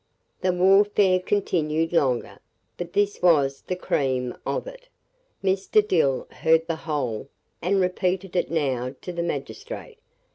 '" The warfare continued longer, but this was the cream of it. Mr. Dill heard the whole, and repeated it now to the magistrate.